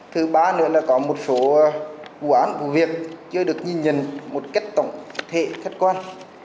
thứ ba nữa là có một số vụ án vụ việc chưa được nhìn nhận một cách tổng thể khách quan